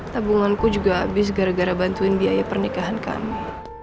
tabunganku juga habis gara gara bantuin biaya pernikahan kami